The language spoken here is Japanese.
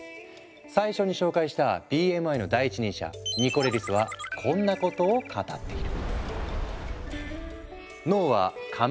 最初に紹介したＢＭＩの第一人者ニコレリスはこんなことを語っている。